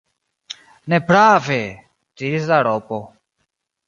"Ne prave!" diris la Raŭpo.